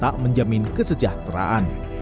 tak menjamin kesejahteraan